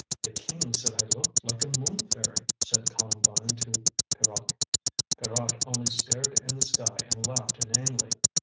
"The King said I looked like a moon fairy," said Columbine to Pierrot. Pierrot only stared at the sky and laughed inanely.